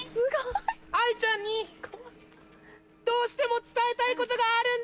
愛ちゃんにどうしても伝えたいことがあるんだ！